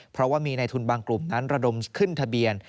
เพราะว่ามีในทุนบางกลุ่มนั้นระดมขึ้นทะเบียน